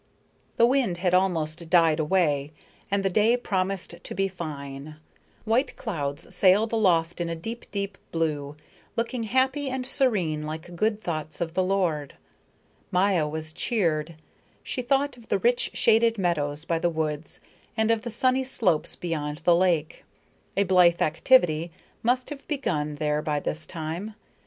The wind had almost died away, and the day promised to be fine. White clouds sailed aloft in a deep, deep blue, looking happy and serene like good thoughts of the Lord. Maya was cheered. She thought of the rich shaded meadows by the woods and of the sunny slopes beyond the lake. A blithe activity must have begun there by this time.